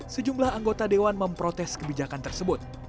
sejumlah anggota dewan memprotes kebijakan tersebut